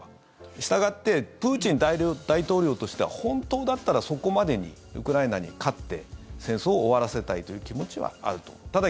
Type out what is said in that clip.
したがってプーチン大統領としては本当だったら、そこまでにウクライナに勝って戦争を終わらせたいという気持ちはあると思います。